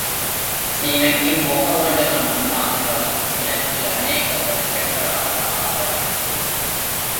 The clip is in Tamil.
சீமைக்குப் போக வேண்டுமென்று மாத்திரம் எனக்கு அநேக வருஷங்களாக ஆவல் உண்டு.